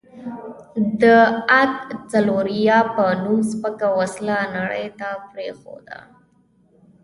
د اک څلوراویا په نوم سپکه وسله نړۍ ته پرېښوده.